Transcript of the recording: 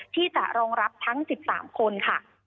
ที่จะรองรับทั้ง๑๓คนค่ะ